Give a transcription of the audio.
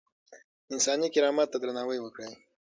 انساني کرامت ته درناوی وکړئ.